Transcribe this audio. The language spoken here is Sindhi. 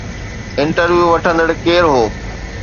انٽرويو وٺندڙ ڪير هو؟